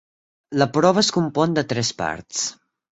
La prova es compon de tres parts.